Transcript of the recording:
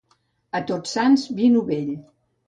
A Tots Sants, vi novell.